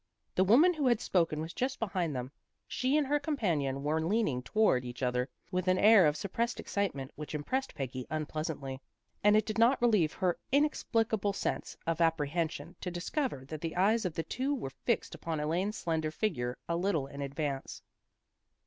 The woman who had spoken was just behind them. She and her companion were 1ming toward each other with an air of suppressed excitement which impressed Peggy unpleasantly, and it A PATHETIC STORY 241 did not relieve her inexplicable sense of appre hension to discover that the eyes of the two were fixed upon Elaine's slender figure, a little in advance.